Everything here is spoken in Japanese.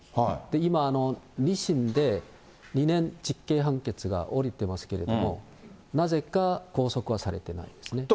今、２審で２年実刑判決が下りてますけども、なぜか拘束はされてないですね。